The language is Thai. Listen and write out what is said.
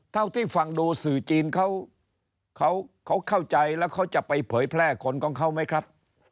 เท่าที่ฟังดูสื่อจีนเขาเข้าใจแล้วเขาจะไปเผยแพร่คนของเขาไหมครับ